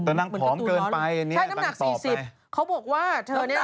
เหมือนนะคุณหนูเหมือนกับตัวน้อยใช่น้ำหนัก๔๐เขาบอกว่าเธอนี้นะฮะ